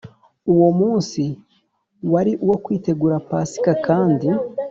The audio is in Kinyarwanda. Uwo munsi wari uwo kwitegura Pasika kandi